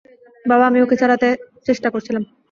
বাবা, আমি ওকে ছাড়াতে চেষ্টা করছিলাম।